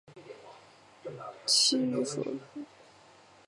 其余的是说波马克语和罗姆语的居民。